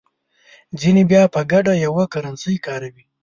ځینې بیا په ګډه یوه کرنسي کاروي.